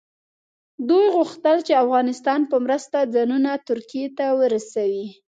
دوی غوښتل چې د افغانستان په مرسته ځانونه ترکیې ته ورسوي.